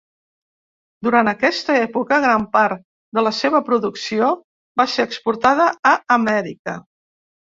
Durant aquesta època, gran part de la seva producció va ser exportada a Amèrica.